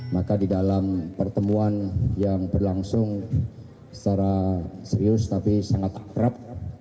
maka di dalam pertemuan yang berlangsung secara serius tapi sangat kerap